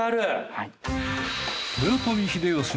はい。